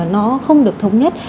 nó không được thống nhất